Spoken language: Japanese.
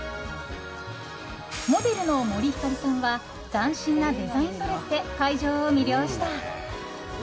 モデルの森星さんは斬新なデザインドレスで会場を魅了した。